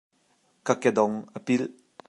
Ka kedong a pilh.